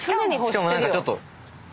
しかも何かちょっと。